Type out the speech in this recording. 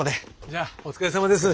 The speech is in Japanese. じゃあお疲れさまです。